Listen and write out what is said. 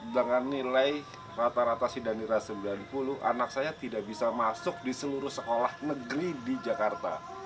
dengan nilai rata rata sih dan nilai sembilan puluh anak saya tidak bisa masuk di seluruh sekolah negeri di jakarta